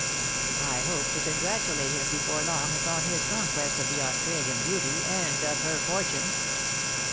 I hope to congratulate him before long upon his conquest of the Australian beauty, and of her fortune.'